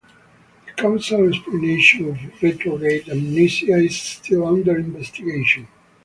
The causal explanation of retrograde amnesia is still under investigation.